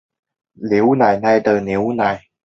内为股票代码